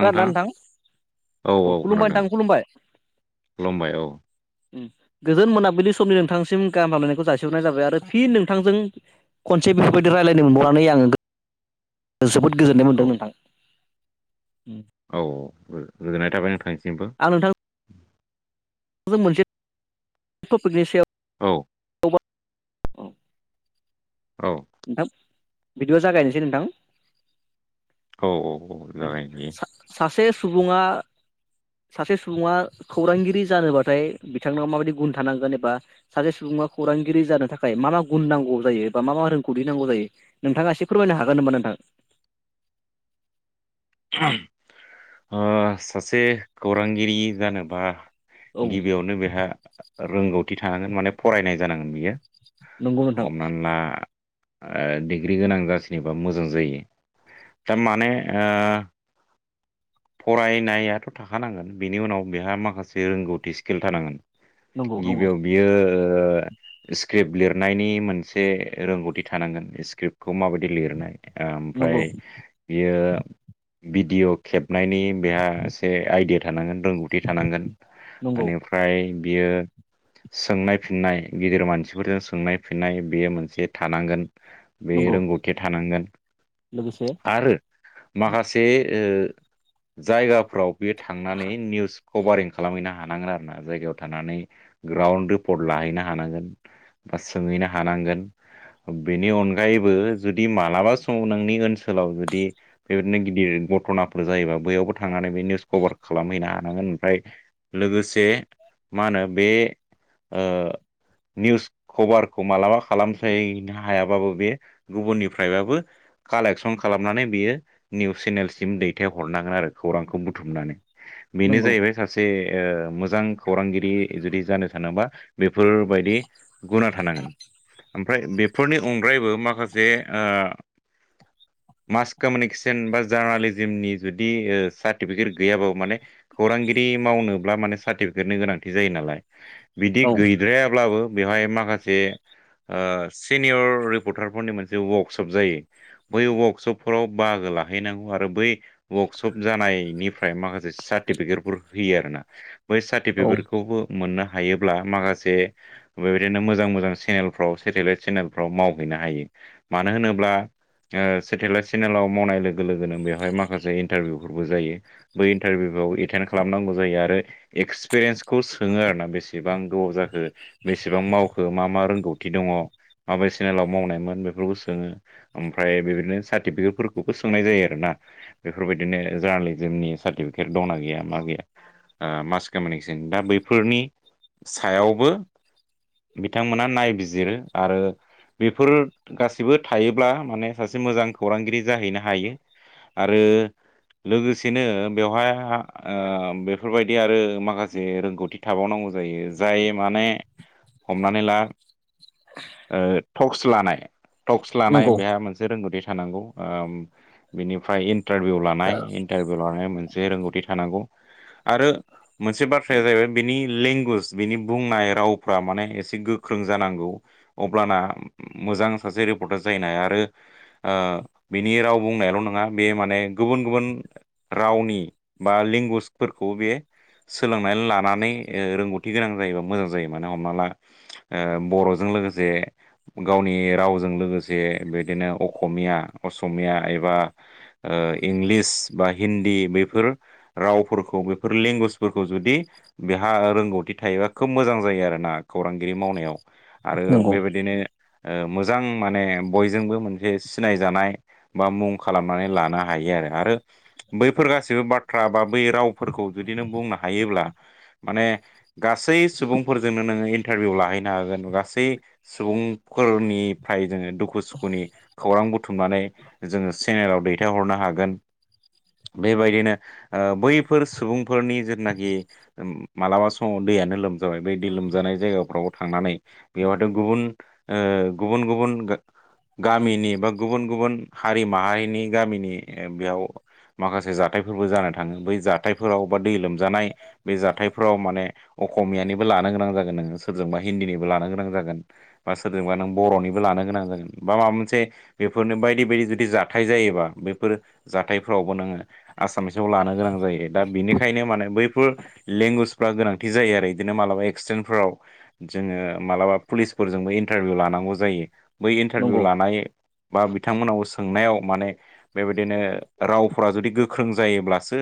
खना नोंथां औ खुलुमबाय नोंथां खुलुमबाय खुलुमबाय औ गोजोन मोनाबिलि समनि नोंथांसिम गाहाम हामलायनायखौ जासिहरनाय जाबाय आरो फिन नोंथांजों खनसे बेफोरबायदि रायज्लायनो मोनबावनानै आङो जोबोद गोजोननाय औ मोनदों नोंथां। औ औ गोजोननाय थाबाय नोंथांनिसिमबो। आं नोंथां जों मोनसे टपिकनि सायाव औ औ नोंथां बिदिबा जागायनोसै नोंथां औ औ औ जागोन बियो सासे सुबुङा सासे सुबुङा खौरांगिरि जानोबाथाय बिथांनाव माबायदि गुन थानांगोन एबा सासे सुबुङा खौरांगिरि जानो थाखाय मा मा गुन नांगौ जायो बा मा मा रोंगौथि नांगौ जायो नोंथाङा ए फोरमायनो हागोन नामबा नोंथां सासे खौरांगिरि जानोबा औ गिबियावनो बेहा रोंगौथि थानांगोन माने फरायनाय जानांगोन बियो नंगौ नोंथां हमनानै ला ओ डिग्रि गोनां जासिनोबा मोजां जायो दा माने ओ ज [inaudible] फरायनायाथ' थाखानांगोन बिनि उनाव बेहा माखासे रोंगौथि स्किल थानांगोन नंगौ नंगौ गिबियाव बियो स्क्रिप्ट लिरनायनि मोनसे रोंगौथि थानांगोन स्क्रिप्टखौ माबायदि लिरनाय नंगौ ओमफ्राय बियो भिडिय' खेबनायनि बेहा एसे आइडिया थानांगोन रोंगौथि थानांगोन नंगौ मान फओम्रफ्राय बियो सोंनाय फिननाय गिदिर मानसिफोरजों सोंनाय फिननाय बेयो मोनसे थानांगोन बे नंगौ रोंगौथिया थानांगोन लोगोसे आरो माखासे ओ जायगाफ्राव बेयो थांनानै निउस कभारिं खालामहैनो हानांगोन आरो ना जायगायाव थानानै ग्राउन्ड रिपर्ट लाहैनो हानांगोन बा सोंहैनो हानांगोन बेनि अनगायैबो जुदि मालाबा समाव नोंनि ओनसोलाव जुदि बेबायदिनो गिदिर घथ'नाफोर जायोबा बैयावबो थांनानै बे निउस कभार खालामहैनो हानांगोन ओमफ्राय लोगोसे मा होनो बे ओ निउस खबरखौ मालाबा खालामसायनो हायाबाबो बेयो गुबुननिफ्रायबाबो कालेकसन खालामनानै बियो निउस चेनेलसिम दैथायहरनांगोन आरो खौरांखौ बुथुमनानै बेनो नंगौ जाहैबाय सासे मोनसे ओ मोजां खौरांगिरि जुदि जानो थानोबा बेफोरबायदि गुना थानांगोन ओमफ्राय बेफोरनि अनग्रायैबो मखासे ओ मास कमिउनिकेसन बा जार्नालिजिमनि जुदि सार्टिफिकेट गैयाबाबो माने खौरांगिरि मावनोब्ला माने सार्टिफिकेटनि गोनांथि जायो नालाय बिदि औ गैद्रायाब्लाबो बेवहाय माखासे मोनसे ओ सिनियर रिपर्टारफोरनि मोनसे वार्कशप जायो बै वार्कशपफोरावर बाहागो लाहैनांगौ आरो बै वार्कशप जानायनिफ्राय माखासे सार्टिफिकेटफोर होयो आरो ना बै औ सार्टिफिकेटखौबो मोननो हायोब्ला माखासे बेबायदिनो मोजां मोजां सेनेलफ्राव सेटेलाइट सेनेलफ्राव मावहैनो हायो मानो होनोब्ला ओ सेटेलाइट सेनेलाव मावनाय लोगो लोगो लोगोनो बेवहाय माखासे इन्टारभिउफोरबो जायो बै इन्टारभिउफ्राव एटेन्ड खालामनांगौ जायो। आरो एक्सपिरियेन्सखौ सोङो आरो ना बेसेबां गोबाव जाखो बेसेबां मावखो मा मा रोंगौ। थि दङ माबे सेनेलाव मावनायमोन बेफोरखौ सोङो। ओमफ्राय बेबायदिनो सार्टिफिकेट फोरफोरखौबो सोंनाय जायो आरोना बेफोरबायदिनो जार्नालिजिमनि सार्टिफिकेट दंना गैया मा गैया आ मास कमिउनिकेसन दा बैफोरनि सायावबो बिथांमोना नायबिजिरो आरो बेफोर गासिबो थायोब्ला माने सासे मोजां खौरांगिरि जाहैनो हायो आरो लोगोसेनो बेवहाय आ आ बेफोरबायदि आरो माखासे रोंगौथि थाबावनांगौ जायो जाय माने हमनानै ला ओ टक्स लानाय टक्स लानाय नंगौ बेहा मोनसे रोंगौथि थानांगौ ओम बिनिफ्राय इन्टारभिउ लानाय इन्टारभिउ लानाय मोनसे रोंगौथि थानांगौ। आरो मोनसे बाथ्राया जाहैबाय बेनि लेंगुवेज बिनि बुंनाय रावफ्रा माने एसे गोख्रों जानांगौ। अब्लाना मोजां सासे रिपर्टार जायैनो हायो आरो ओ बिनि राव बुंनायल' नङा बे माने गुबुन गुबुन रावनि बा लेंगुवेजफोरखौ बे सोलोंनानै लानानै ओ रोंगौथि गोनां जायोबा मोजां जायो। मानो हमना ला ओ बर'जों लोगोसे गावनि रावजों लोगोसे बिदिनो अखमिया असमिया एबा ओ इंलिस बा हिन्दी बैफोर रावफोरखौ बेफोर लेंगुवेजफोरखौ जुदि बेहा रोंगौथि थायोबा खोब मोजां जायो आरोना खौरांगिरि मावनायाव। आरो नंगौ बेबादिनो ओ मोजां माने बयजोंबो मोनसे सिनायजानाय बा मुं खालामनानै लानो हायो आरो आरो बैफोर गासिबो बाथ्रा बा बै रावफोरखौ जुदि नों बुंनो हायोब्ला माने गासै सुबुंफोरजोंनो नोङो इन्टारभिउ लाहैनो हागोन गासै सुबुंफोरनिफ्राय जोङो दुखु सुखुनि खौरां बुथुमनानै जोङो चेनेलाव दैथायहरनो हागोन। बेबायदिनो ओ बैफोर सुबुंफोरनि जिथुनाखि मालाबा समाव दैयानो लोमजाबाय बै दै लोमजानाय जायगाफ्राव थांनानै बेयावहाथ' गुबुन ओ गुबुन गुबुन गा-गामिनि बा गुबुन गुबुन हारि माहारिनि गामिनि बेयाव माखासे जाथायफोरबो जानो थाङो बै जाथायफोराव बा दै लोमजानाय बे जाथायफोराव माने अख'मियानिबो लानो गोनां जागोन नोङो सोरजोंबा हिन्दीनिबो लानो गोनां जागोन। बा सोरजोंबा नों बर'निबो लानो गोनां जागोन बा माबा मोनसे बेफोरनो बायदि बायदि जुदि जाथाय जायोबा बैफोर जाथायफोरावबो नोङो आसामिसाव लानो गोनां जायो दा बिनिखायनो माने बैफोर लेंगुवेजफ्रा गोनांथि जायो आरो इदिनो मालाबा एक्सिदेनफ्राव जोङो मालाबा पुलिसफोरजोंबो इन्टारभिउ लानांगौ जायो। बै इन्टारभिउ नंगौ लानाय बा बिथांमोननाव सों सोंनायाव माने बेबायदिनो रावफ्रा जुदि गोख्रों जायोब्लासो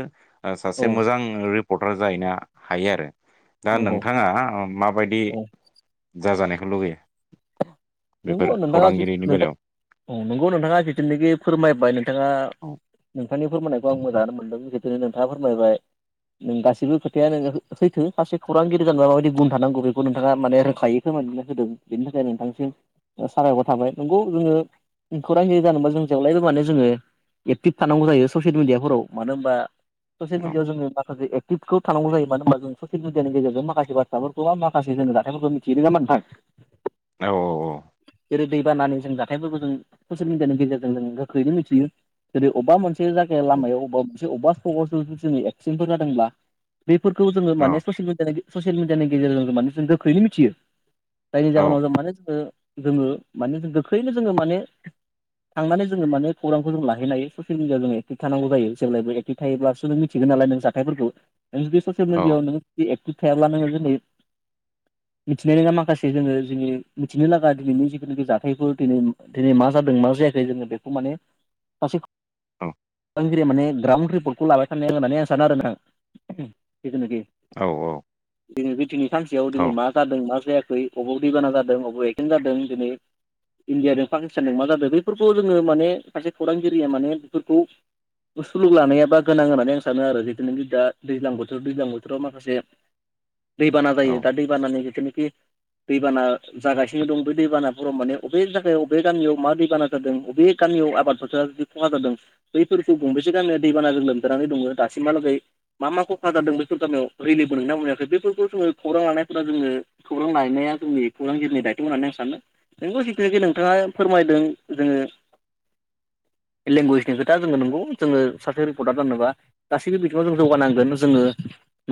ओ औ सासे मोजां रिपर्टार जाहैनो हायो आरो। दा नंगौ नोंथाङा माबायदि औ जाजानायखौ लुगैयो? बेफोर नोंगौ नोंथाङा खौरांगिरिनि बेलायाव नोंथां नंगौ नोंथाङा जिथुनाखि फोरमायबाय नोंथाङा औ नोंथांनि फोरमायनायखौ आं मोजाङानो मोनदों जिथुनो नोंथाङा फोरमायबाय नों गासिबो खोथाया नोङो हैैथो सासे खौरांगिरि जानोबा माबायदि गुन थानांगौ बेखौ नोंथाङा माने रोंखायो। फोरमायफिनना होदों बेनि थाखाय नोंथांसिम साबायखर थाबाय। नोंगौ जोङो खौरांगिरि जानोबा जों जेब्लायबो माने जोङो एक्टिभ थानांगौ जायो ससियेल मिडियाफोराव। मानो होनबा ससियेल औ मिडियाआव जोंङो माखासे टि खौ थांनांगौ जायो मानो होनबा जों ससियेल मिडियानि गेजेरजों माखासे बाथ्राफोरखौ बा माखासे जों जाथाइफोरखौ मिथियो नङा होनबा नोंथां? औ औ औ जेरै दैबानानि जों जाथाइफोरखौ जों ससियेल मिडियानि गेजेरजों जों गोख्रैनो मिथियो जेरै अबेबा मोनसे बिदिनो जायगाया लामायाव अबेबा मोनसे अबेबा फोर जोङो एक्सिडेन्टफोर जादोंब्ला बेफोरखौ जोङो माने औ सयेल मिदिया-ससियेल मिडियानि गेजेरजों माने जों गोख्रै मिथियो। जायनि औ जाहोनाव जों माने जो-जोङो माने गोख्रैनो जोङो माने थांनानै जोङो माने खौरांखौ जों लाहैलायो ससियेल मिडीयाआव जों एक्टिभ थानांगौ जायों। जेब्लायबो थायोब्लासो नों मिथिगोन नालाय नों जाथायफोरखौ। नों जुदि ससियेल औ मिडियायाव नोङो एक्टिभ थायाब्ला नोङो जोंनि, मिथिनाय नङा माखासे जोङो जोंनि मिथिनो लागा दिनैनि जिखुननाखि जाथायफोर दिनै, दिनै मा जादों मा जायाखै जोङो बेखौ माने सासे औ। फोरोंगिरिया माने ग्राउन्ड रिपर्टखौ लाबाय थानो होननानै आं सानो आरो नोंथां। जिथुनाखि औ औ। दिनै जथिनि सानसेयाव औ दिनै मा जादों मा जायाखै अबाव दैबाना जादों अभाव बेनो जादों दिनै इण्डियाजों पाकिस्तानजों मा जादों बफोरखौ जोङो माने सासे खौरांगिरिया माने बेफोरखौ सुलुग लानायाबा गोनां होननानै आं सानो आरो जिथुनोखि दा दैज्लां बोथोर, दैज्लां बोथोराव माखासे दैबाना औ जायो दा दैबानानि जिथुनोखि दैबाना जागासिनो दं बे दैबानाफोराव माने बबेनि थाखाय बबे गामियाव मा दैबाना जादों बे गामियाव आबाद फोथारा जुदि खहा जादों बैफोरखौ गंबेसे गामिया दैबाना लोमजानानै दङ दासिमहालागै मा मा खहा जादों बेफोर गामियाव रैललिबोनाय नना मोनैयाखै बेफोरखौ जोङो खौरां लानायफोरा जोङो खौरां लानायनाया जोंनि खौरांगिरिनि दाय होननानै आं सानो। नोंखौ जिथुनिखि नोंथाङा फोरमायदों जोङो लेंगुवेजनि खोथा जोङो नगौ। जोङो सासे रिपर्टार जानोबा गासैबो बिथिङाव जों जौगानांगोन। जोङो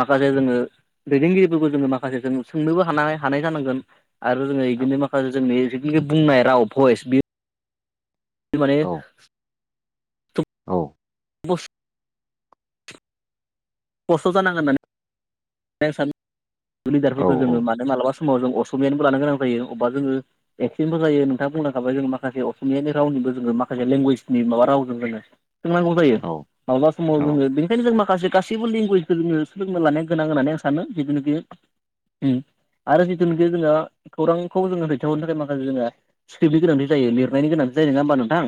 माखासे जोङो दैदेनगिरिफोरखौ जोङो माखासे जों सोंनोबो हानाय हानाय जानांगोन आरो जोङो बिदिनो माखासे जोंनि बि बुंनाय राव भयस बि माने औ औ। बस खस्थ' जानांगोना होननानै स लिदारफोरखौ जोङो मानो मालाबा समाव जों असमियानिबो लानो गोनां जायो। अबेबा जोङो एक्सेन्टबो जायो नोंथाङा बुंलांखाबाय जों माखासे असमियानि रावनिबोङो माखासे लेंगुवेजनि माबा रावजों जोङो सोंनांगौ जायो मा्लाबा समाव औ जोङो बेनिखायनो जों माखासे गासैबो लेंगुवेजखौ जोङो सोलोंनो लानाया गोनां होननानै आं सानो जिथुनोखि आरो जिथुनोखि जोङो खौरांखौ जोङो दैथाहरनो थाखाय माखासे जोङो सिक्रिप्टनि गोनांथि जायो। लिरनायनि गोनांथि जायो। नङा होमबा नोंथां?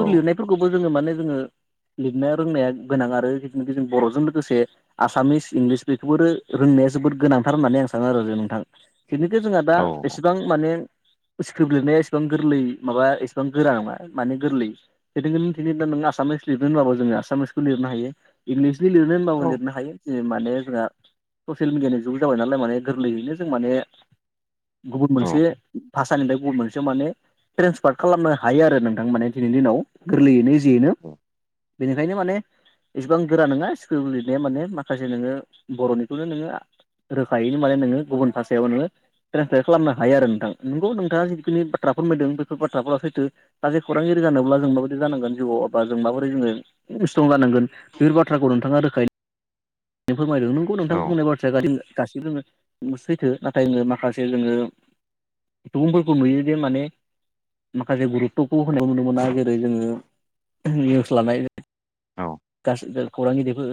औ लिरनाय फोरफोरखौबो जोङो माने जोङो लिरनो रोंनाया गोनां आरो जिथुनोखि जों बर'जों लोगोसे आसामिस इंलिस बेखौबो रोंनाया जोबोद गोनांथार होननानै आं सानो आरो नोंथां जिनोखे जोंहा दा एसेबां माने स्क्रिप्ट लिरनाया एसेबां गोरलै, माबा एसेबां गोरा नङ माने गोरलै नों आसामिस लिरनो होनबाबो जोङो आसामिसखौ लिरनो हायो इंलिसनि लिरनो होनबाबो लिरनो थायो जि माने जोंहा ससियेल मिडियानि जुग जाबाय नालाय माने गोरलैयैनो जों माने गुबुन मोनसे भाषानिफ्राय गुबुन मोनसेआव माने ट्रेन्सफार्ट खालामनो हायो आरो नोंथां माने दिननि दिनाव गोरलैयैनो जेनो बेनिखायनो माने एसेबां गोरा नङा स्क्रिप्ट लिरनाया माने माखासे नोङो बर'निखौनो नोङो रोखायैनो माने नोङो गुबुन भाषायाव नोङो ट्रेन्सलेट खालामनो हायो आरो नोंथां। नोंगौ नोंथाङा जिखिनि बाथ्राफोरमायदों बेफोर बाथ्राफोरा सैथो। सासे खौरांगिरि जानोब्ला जों माबादि जानांगोन जिउआव बा जों माबोरै जोङो स्ट्रं जानांगोन बेफोर बाथ्राखौ नोंथाङा रोखायै फोरमायदों नोंगौ नोंथां बुंनाय बाथ्रा [unintelligible] सैथो नाथाय जोङो माखासे जोङो सुबुंफोरखौ नुयोदि माने माखासे गुरुबथ'खौ होनो नुनो मोना। जेरै जोङो निउस लानाय गासै [unintelligible] खौरांगिरिफोर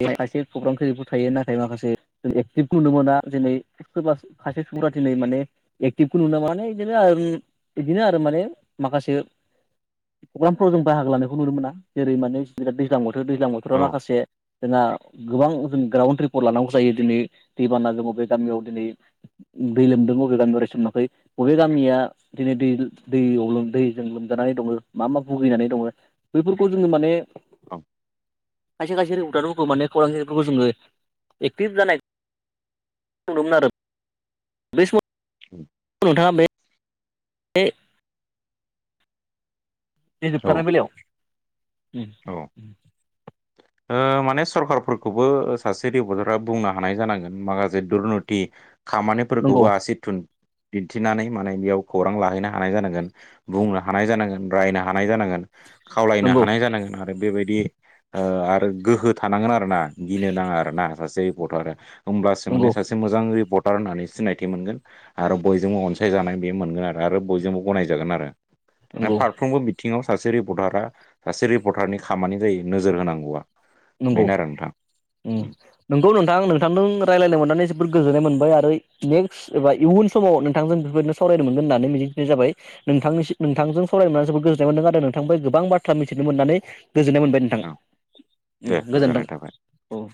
बे खायसे प्रग्रामखै जबो थायो नाथाय माखासे जों एक्टिभखौ नुनो मोना दिनै [unintelligible] माने एक्टिभखौ नु [unintelligible] इदिनो आरो माने माखासे प्रग्रामफ्राव जों बाहागो लानायखौ नुनो मोना। जेरै माने बिराद दैज्लां बोथोर दैज्लां बोथोराव माखासे जोंहा गोबां जों ग्राउन्ड रिपर्ट लानांगौ जायो। दिनै दैबाना जों अबे गामियाव दिनै दै लोमदों अबे गामियाव रेसन मोनाखै बबे गामिया दिनै दै दैयाव दैजों लोमजानानै दङो मा मा भुगिनानै दङो बेफोरखौ जोङो माने खायसे खासे रिपर्टआथ' खौ माने खौरांगिरिफोरखौ जोङो एक्टिभ जानाय नुदोंमोन आरो। बे सम नोंथाङा बे ए बे औ जोबथारनाय बेलायाव। उम औ ओ माने सरखारफोरखौबो ओ सासे रिपर्टारा बुंनो हानाय जानांगोन माखासे दुरनति खामानिफोरखौबो नंगौ आसि थुन दिन्थिनानै माने बेयाव खौरां लाहैनो हानाय जानांगोन बुंनो हानाय जानांगोन रायनो हानाय जानांगोन। खावलायनो नंगौ हानाय जानांगोन आरो बेबायदि ओ आरो गोहो थानांगोन आरो ना गिनो नाङा आरो ना सासे रिपर्टारा होमब्लासो माने नंगौ सासे मो जां रिपर्टार होननानै सिनायथि मोनगोन। आरो बयजोंबो अनसायजानाय बे मोनगोन आरो आरो बयजोंबो गनायजागोन आरो। ओ नंगौ फारफ्रोमबो बिथिङाव सासे रिपर्टारा सासे रिपर्टारनि खामानि जायो नोजोर होनां गौआ। नंगौ उम नोंगौ नोंथां नोंथांदों रायलायनो मोननानै जोबोर गोजोननाय मोनबाय आरो नेक्स्ट एबा इयुन समाव नोंथांजों बेफोरबायदिनो सावरायनो मोनगोन होननानै मिजिंथिनाय जाबाय नोंथांनिसि नोंथांजों सावरायनो मोनना जोबोद गोजोननाय मोनदों। आरो नोंथांनिफ्राय गोबां बाथ्रा मिथिनो मोननानै गोजोननाय मोनबाय। नों थां औ दे गोजोननाय थाबाय औ।